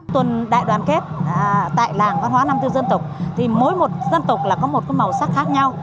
tuần đại đoàn kết tại làng văn hóa năm tư dân tộc thì mỗi một dân tộc là có một màu sắc khác nhau